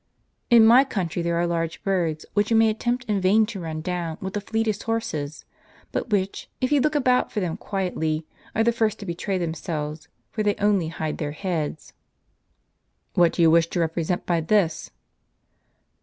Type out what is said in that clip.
" In my country there are large birds, which you may attempt in vain to run down with the fleetest horses; but which, if you look about for them quietly, are the first to betray themselves, for they only hide their heads." " What do you wish to represent by this